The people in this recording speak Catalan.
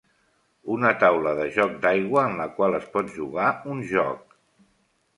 Una taula de joc d'aigua en la qual es pot jugar un joc.